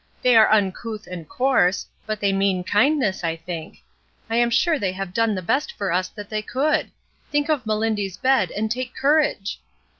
They are uncouth and coarse, but they mean kindness, I think. I am s\u"e they have done the best for us that they could; think of 'MeUndy's bed' and take courage."